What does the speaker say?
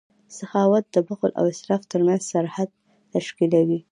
سخاوت د بخل او اسراف ترمنځ سرحد تشکیلوي.